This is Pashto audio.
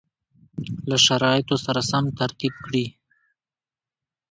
له شرایطو سره سم ترتیب کړي